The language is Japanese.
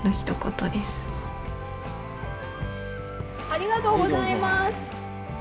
ありがとうございます。